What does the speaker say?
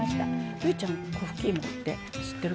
望結ちゃん粉ふきいもって知ってるかな？